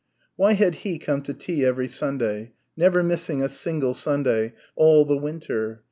Why had he come to tea every Sunday never missing a single Sunday all the winter?